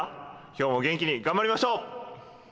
今日も元気に頑張りましょう！